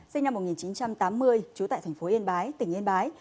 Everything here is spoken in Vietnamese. sinh năm một nghìn chín trăm tám mươi trú tại thành phố yên bái tỉnh yên bái